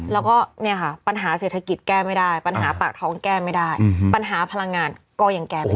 แล้วก็เนี่ยค่ะปัญหาเศรษฐกิจแก้ไม่ได้ปัญหาปากท้องแก้ไม่ได้ปัญหาพลังงานก็ยังแก้ไม่ได้